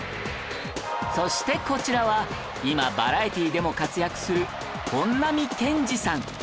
そしてこちらは今バラエティーでも活躍する本並健治さん